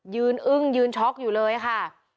อึ้งยืนช็อกอยู่เลยค่ะ